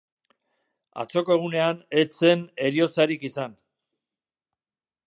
Atzoko egunean ez zen heriotzarik izan.